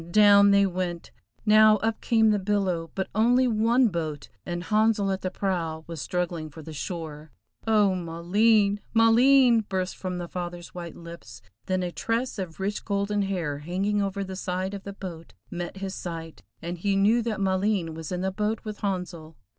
down they went! Now up came the billow, but only one boat, and Handsel at the prow was struggling for the shore. "Oh, Maleen! Maleen!" burst from the father's white lips, then a tress of rich golden hair hanging over the side of the boat met his sight, and he knew that Maleen was in the boat with Handsel.